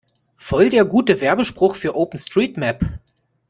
Voll der gute Werbespruch für OpenStreetMap!